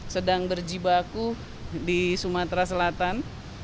sedang berjibaku di sumatera selatan